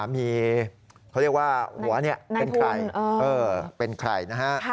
มีเขาเรียกว่าหัวนี้เป็นใคร